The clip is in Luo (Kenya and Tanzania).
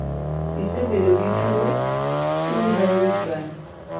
Isebedo gituo tuo mar wich bar?